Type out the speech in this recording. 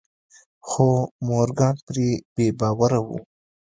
خو مورګان پرې بې باوره و.